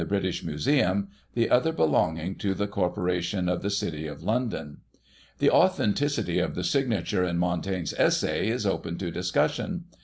161 British Museum, the other belonging to the Corporation of the City of London. The authenticity of the signature in Montaigne's Essays is open to discussion.